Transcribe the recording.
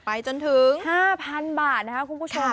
จนถึง๕๐๐๐บาทนะครับคุณผู้ชม